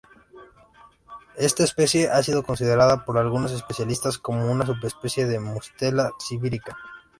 Esta especie ha sido considerada por algunos especialistas como una subespecie de "Mustela sibirica".